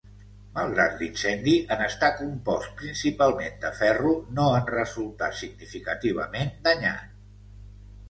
Malgrat l'incendi, en estar compost principalment de ferro no en resultà significativament danyat.